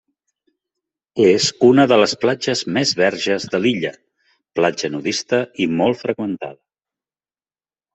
És una de les platges més verges de l'illa, platja nudista i molt freqüentada.